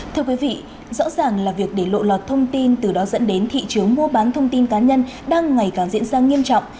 thưa quý vị rõ ràng là việc để lộ lọt thông tin từ đó dẫn đến thị trường mua bán thông tin cá nhân đang ngày càng diễn ra nghiêm trọng